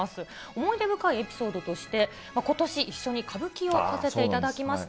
思い出深いエピソードとして、ことし一緒に歌舞伎をさせていただきました。